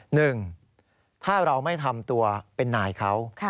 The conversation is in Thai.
หนึ่งถ้าเราไม่ทำตัวเป็นนายเขา